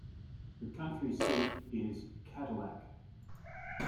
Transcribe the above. The county seat is Cadillac.